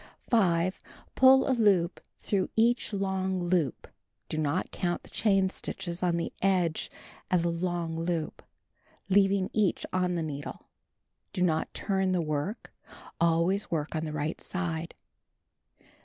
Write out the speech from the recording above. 5. Pull a loop through each long loop (do not count the chain stitches on the edge as a long loop), leaving each on the needle. Do not turn the work, always work on the right side.